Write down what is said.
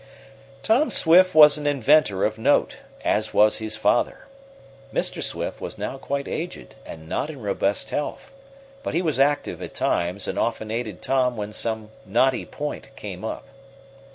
Tom Swift was an inventor of note, as was his father. Mr. Swift was now quite aged and not in robust health, but he was active at times and often aided Tom when some knotty point came up.